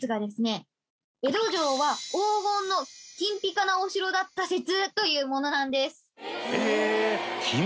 「江戸城は黄金の金ピカなお城だった説」というものなんです。